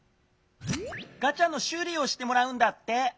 ガチャのしゅうりをしてもらうんだって。